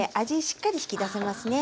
しっかり引き出せますね。